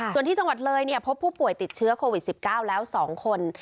ส่วนที่จังหวัดเลยพบผู้ป่วยติดเชื้อโควิด๑๙แล้ว๒คน